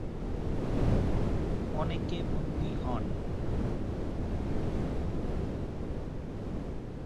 অনেকে বন্দী হন।